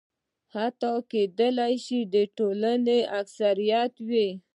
حتی کېدای شي د ټولنې اکثریت وي.